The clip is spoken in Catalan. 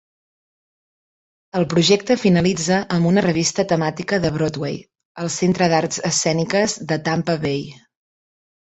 El projecte finalitza amb una revista temàtica de Broadway al Centre d'Arts Escèniques de Tampa Bay.